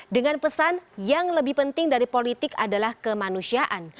dengan pesan yang lebih penting dari politik adalah kemanusiaan